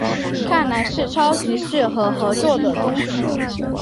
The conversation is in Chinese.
看起来是超级适合合作的东西